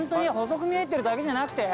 細く見えてるだけじゃなくて？